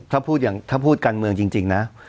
ถ้าพูดอย่างถ้าพูดการเมืองจริงนะ